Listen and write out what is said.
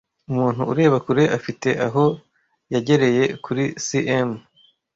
Umuntu ureba kure afite aho yegereye kuri cm